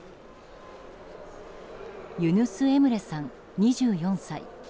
ユヌス・エムレさん、２４歳。